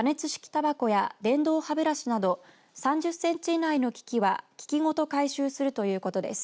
たばこや電動歯ブラシなど３０センチ以内の機器は機器ごと回収するということです。